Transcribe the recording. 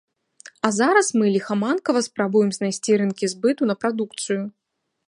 А зараз мы ліхаманкава спрабуем знайсці рынкі збыту на прадукцыю.